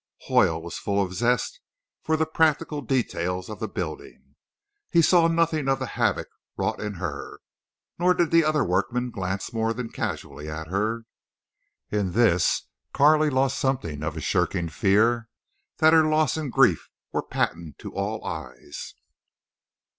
Hoyle was full of zest for the practical details of the building. He saw nothing of the havoc wrought in her. Nor did the other workmen glance more than casually at her. In this Carley lost something of a shirking fear that her loss and grief were patent to all eyes.